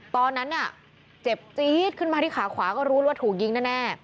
ตอนนั้นเจ็บจี๊ดขึ้นมาที่ขาขวาก็รู้ว่าถูกยิงแน่